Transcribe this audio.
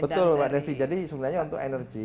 betul pak nessy jadi sebenarnya untuk energi